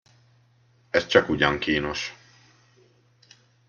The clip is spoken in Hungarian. Ez csakugyan kínos!